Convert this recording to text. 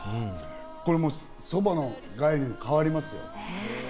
これ、そばの概念、変わりますよ。